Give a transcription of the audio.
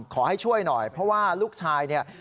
ขอให้ช่วยหน่อยเพราะว่าลูกชายเนี่ย